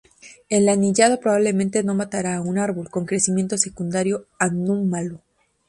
El anillado probablemente no matará a un árbol con crecimiento secundario anómalo.